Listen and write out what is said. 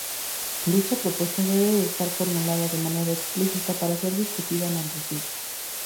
Dicha propuesta debe estar formulada de manera explícita para ser discutida en el recinto.